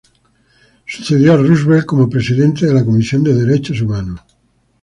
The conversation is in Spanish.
Sucedió a Roosevelt como presidente de la Comisión de Derechos Humanos.